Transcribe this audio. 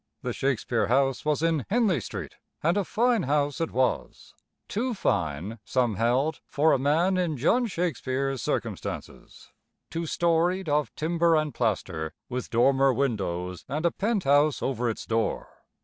The Shakespeare house was in Henley Street, and a fine house it was too fine, some held, for a man in John Shakespeare's circumstances two storied, of timber and plaster, with dormer windows and a penthouse over its door.